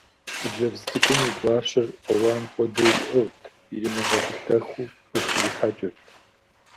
Хъыджэбз цӏыкӏум и гуащэр ӏэуам хуэдэу иӏыгът, иримыгъэтӏылъэху къыздрихьэкӏырт.